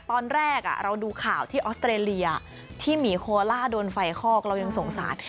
ตอนแรกเราดูข่าวที่ออสเตรเลียที่หมีโคล่าโดนไฟคอกเรายังสงสาร